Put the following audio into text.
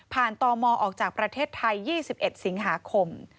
ตมออกจากประเทศไทย๒๑สิงหาคม